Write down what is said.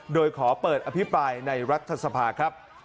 โดยขอเปิดอภิปรายในรัฐสภาครับ